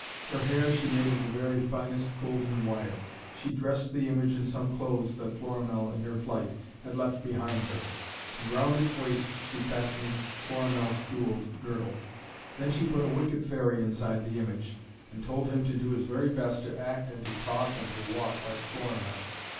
Her hair she made of the very finest golden wire. She dressed the image in some clothes that Florimell, in her flight, had left behind her, and round its waist she fastened Florimell's jewelled girdle. Then she put a wicked fairy inside the image, and told him to do his very best to act and to talk and to walk like Florimell.